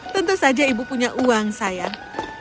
tentu saja ibu punya uang sayang